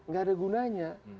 gak ada gunanya